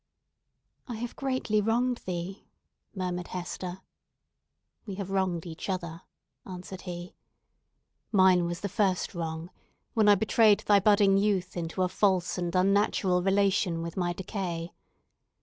"I have greatly wronged thee," murmured Hester. "We have wronged each other," answered he. "Mine was the first wrong, when I betrayed thy budding youth into a false and unnatural relation with my decay.